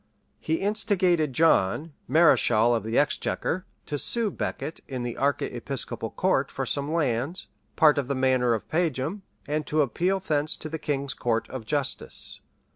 He instigated John, mareschal of the exchequer, to sue Becket in the archiepiscopal court for some lands, part of the manor of Pageham; and to appeal thence to the king's court for justice.